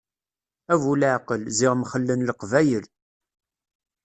A bu leɛqel, ziɣ mxellen Leqbayel.